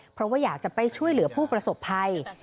เพราะว่าอยากจะไปช่วยเหลือผู้ประสบภัย